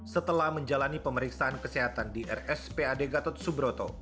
setelah menjalani pemeriksaan kesehatan di rs pad gatot subroto